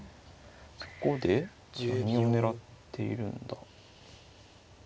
そこで何を狙っているんだ？